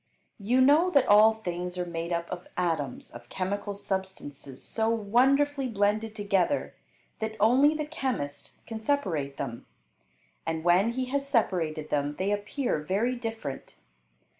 You know that all things are made up of atoms of chemical substances so wonderfully blended together that only the chemist can separate them, and when he has separated them they appear very different.